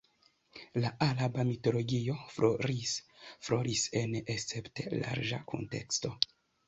La araba mitologio floris en escepte larĝa kunteksto.